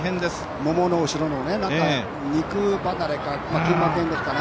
ももの後ろに肉離れか筋膜炎ですかね。